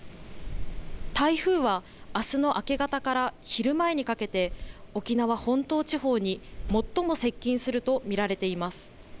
台風はあすの明け方から昼前にかけて、沖縄本島地方に最も接近すると見られています。